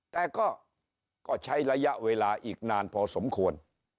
แต่ก็ใช้ระยะเวลาอีกนานพอสมควร